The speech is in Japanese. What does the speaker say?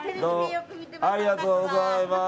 ありがとうございます。